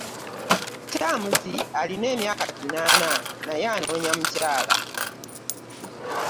Lukyamuzi alina emyaka kinaana naye anoonya mukyala.